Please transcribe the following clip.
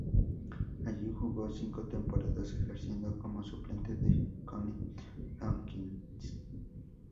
Allí jugó cinco temporadas, ejerciendo como suplente de Connie Hawkins.